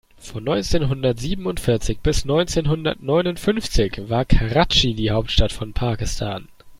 Von neunzehnhundertsiebenundvierzig bis neunzehnhundertneunundfünfzig war Karatschi die Hauptstadt von Pakistan.